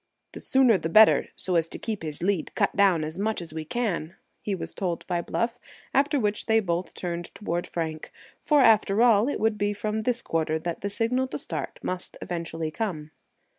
"The sooner the better, so as to keep his lead cut down as much as we can," he was told by Bluff, after which they both turned toward Frank, for, after all, it would be from this quarter that the signal to start must eventually come.